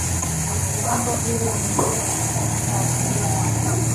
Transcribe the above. jambo hili ni muhimu sana kwa wakulima